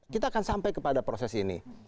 kita akan sampai kepada proses ini